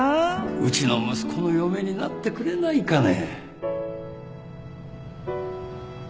うちの息子の嫁になってくれないかね